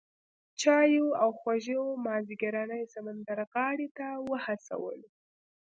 چایو او خوږو مازیګرنۍ سمندرغاړې ته وهڅولو.